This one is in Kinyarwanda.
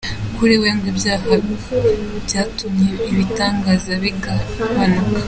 Kuri we, ngo ibyaha byatumye ibitangaza bigabanuka.